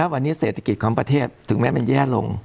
วันนี้เศรษฐกิจของประเทศถึงแม้มันแย่ลง